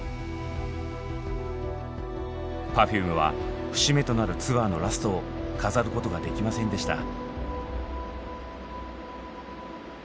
Ｐｅｒｆｕｍｅは節目となるツアーのラストを飾ることができませんでした。